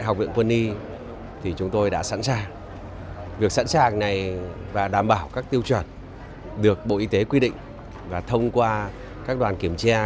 học viện quân y đã sẵn sàng đảm bảo các tiêu chuẩn được bộ y tế quy định và thông qua các đoàn kiểm tra